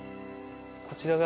こちらが。